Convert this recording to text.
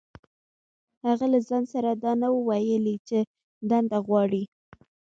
هغه له ځان سره دا نه وو ويلي چې دنده غواړي.